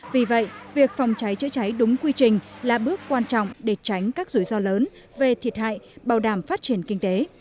vì vậy việc phòng cháy chữa cháy đúng quy trình là bước quan trọng để tránh các rủi ro lớn về thiệt hại bảo đảm phát triển kinh tế